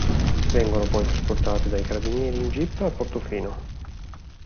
Vengono poi trasportate dai carabinieri in jeep a Portofino.